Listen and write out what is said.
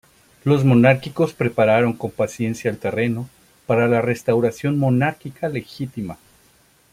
Los monárquicos prepararon con paciencia el terreno para la restauración monárquica legítima.